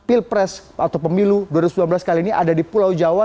pilpres atau pemilu dua ribu sembilan belas kali ini ada di pulau jawa